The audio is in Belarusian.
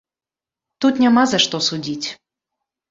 Тут няма за што судзіць.